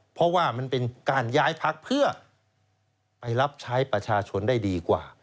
เพราะว่ามันเป็นการย้ายพักเพื่อไปรับใช้ประชาชนได้ดีกว่า